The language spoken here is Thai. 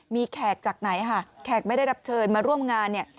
มีแขกจากไหนค่ะแขกไม่ได้รับเชิญมาร่วมงานเนี่ย